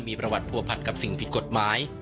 มีประวัติผัวพันกับสิ่งผิดกฎหมาย